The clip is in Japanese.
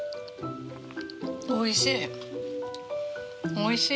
おいしい。